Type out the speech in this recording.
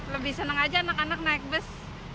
lebih senang aja anak anak naik bus